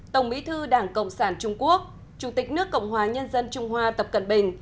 tổng bí thư đảng cộng sản trung quốc chủ tịch nước cộng hòa nhân dân trung hoa tập cận bình